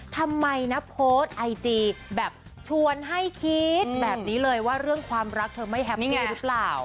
ทำไมนะโพสต์ไอจีแบบชวนให้คิดแบบนี้เลยว่าเรื่องความรักเธอไม่แฮปปี้หรือเปล่า